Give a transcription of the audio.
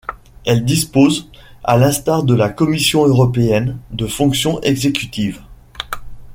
Elle dispose, à l'instar de la Commission européenne, de fonction exécutive.